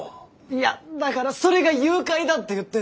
いやだからそれが誘拐だって言ってんの！